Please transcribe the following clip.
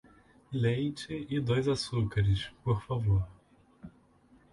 Leite e dois açucares, por favor.